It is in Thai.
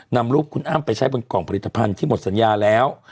นำรูปคุณอ้ำไปใช้บนกล่องผลิตภัณฑ์ที่หมดสัญญาแล้ว